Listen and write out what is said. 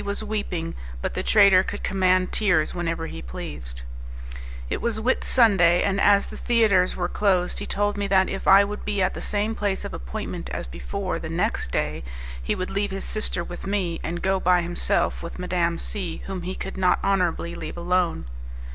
P C was weeping, but the traitor could command tears whenever he pleased. It was Whit Sunday, and as the theatres were closed he told me that, if I would be at the same place of Appointment as before, the next day, he would leave his sister with me, and go by himself with Madame C , whom he could not honourably leave alone.